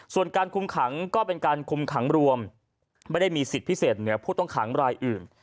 ส่วนการคุมขังก็เป็นการคุมขังรวมไม่ได้มีสิทธิ์พิเศษเหนือผู้ต้องขังรายอื่น